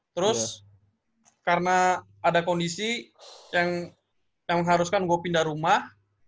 terus karena ada kondisi yang mengharuskan gue pindah rumah